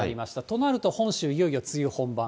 となると、本州、いよいよ梅雨本番。